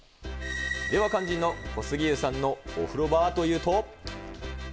では、肝心の小杉湯さんのお風呂場はというと。